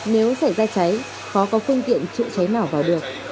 nếu xảy ra cháy khó có phương tiện chữa cháy nào vào được